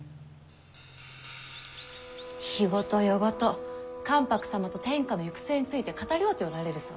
日ごと夜ごと関白様と天下の行く末について語り合うておられるそうじゃ。